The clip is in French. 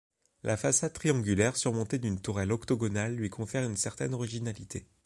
Une façade triangulaire surmontée d’une tourelle octogonale lui confère une certaine originalité.